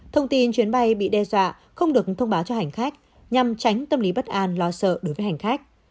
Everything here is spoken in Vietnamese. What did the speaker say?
thông tin chuyến bay bị đe dọa không được thông báo cho hành khách nhằm tránh tâm lý bất an lo sợ đối với hành khách